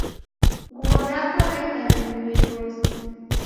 Nguw'o rapo reka rilue rose.